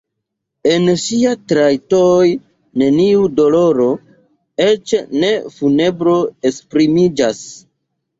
En ŝiaj trajtoj neniu doloro, eĉ ne funebro esprimiĝas.